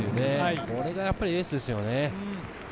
これがエースですよね。